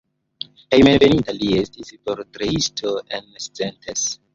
Hejmenveninta li estis portretisto en Szentes.